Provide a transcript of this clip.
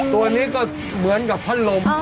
ตัวนี้ก็เหมือนกับพัดลม